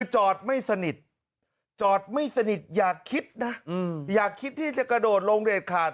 จอดไม่สนิทจอดไม่สนิทอย่าคิดนะอย่าคิดที่จะกระโดดลงเด็ดขาด